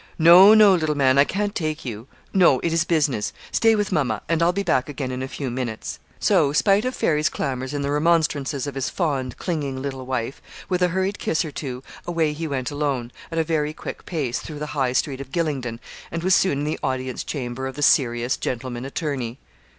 'No, no, little man; I can't take you no, it is business stay with mamma, and I'll be back again in a few minutes.' So, spite of Fairy's clamours and the remonstrances of his fond, clinging little wife, with a hurried kiss or two, away he went alone, at a very quick pace, through the high street of Gylingden, and was soon in the audience chamber of the serious, gentleman attorney.